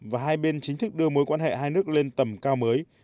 và hai bên chính thức đưa mối quan hệ hai nước lên tầm cao mới